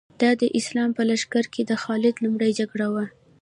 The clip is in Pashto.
دا د اسلام په لښکر کې د خالد لومړۍ جګړه وه.